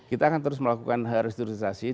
kita akan terus melakukan restruisasi